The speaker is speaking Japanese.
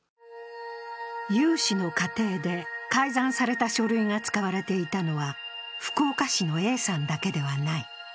融資の過程で改ざんされた書類が使われていたのは福岡市のＡさんだけではない。